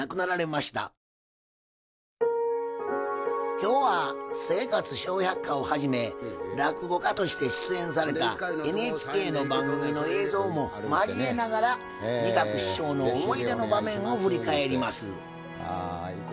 今日は「生活笑百科」をはじめ落語家として出演されたＮＨＫの番組の映像も交えながら仁鶴師匠の思い出の場面を振り返ります。